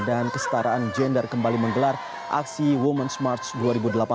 dan kestaraan gender kembali menggelar aksi women's march dua ribu delapan belas